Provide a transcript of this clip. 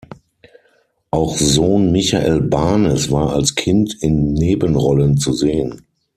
Auch Sohn Michael Barnes war als Kind in Nebenrollen zu sehen.